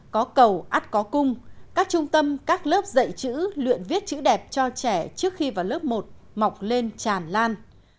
có cầu át có cung các trung tâm các lớp dạy chữ luyện viết chữ đẹp cho trẻ trước khi vào lớp một mọc lên tràn lan